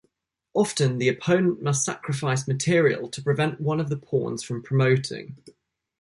Often the opponent must sacrifice material to prevent one of the pawns from promoting.